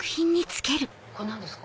これ何ですか？